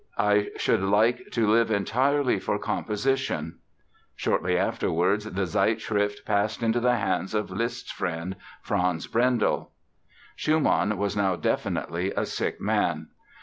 I should like to live entirely for composition". Shortly afterwards the Zeitschrift passed into the hands of Liszt's friend, Franz Brendel. Schumann was now definitely a sick man.